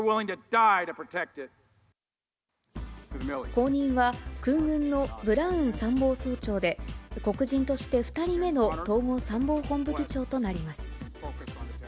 後任は、空軍のブラウン参謀総長で、黒人として２人目の統合参謀本部議長となります。